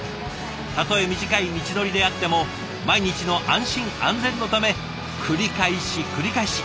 たとえ短い道のりであっても毎日の安心安全のため繰り返し繰り返し。